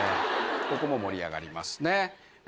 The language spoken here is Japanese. ここも盛り上がりますね。